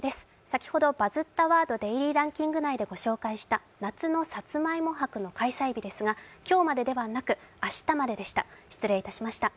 先ほど「バズったワードデイリーランキング」内で御紹介した夏のさつまいも博の開催日ですが、今日までではなく明日まででした。